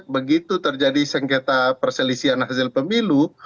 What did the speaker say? begitu terjadi sengketa perselisihan hasil pemilu